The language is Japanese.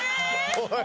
おい。